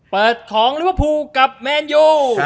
เปิดของลิวภูกับแมนโย